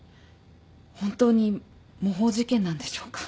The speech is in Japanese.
本当に模倣事件なんでしょうか？